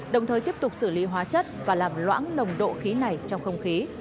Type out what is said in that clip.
đồng thời tiếp tục xử lý hóa chất và làm loãng nồng độ khí này trong không khí